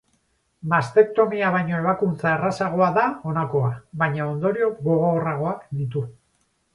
Mastektomia baino ebakuntza errazagoa da honakoa, baina ondorio gogorragoak ditu.